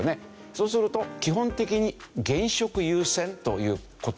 そうすると基本的に現職優先という事が多いわけですね。